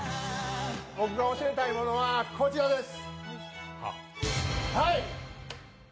僕が教えたいものはこちらです。